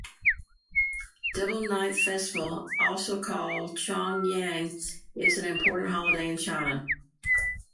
Double Ninth Festival, also called Chong Yang, is an important holiday in China.